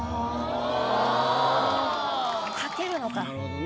はけるのか。